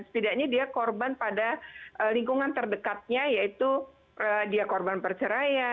setidaknya dia korban pada lingkungan terdekatnya yaitu dia korban perceraian